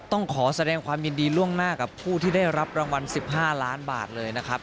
ต้องขอแสดงความยินดีล่วงหน้ากับผู้ที่ได้รับรางวัล๑๕ล้านบาทเลยนะครับ